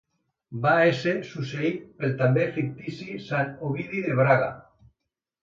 Va ésser succeït pel també fictici Sant Ovidi de Braga.